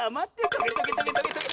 トゲトゲトゲトゲトゲ！